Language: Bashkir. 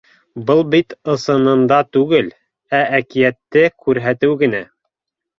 Был бит ысынында түгел, ә әкиәтте күрһәтеү генә.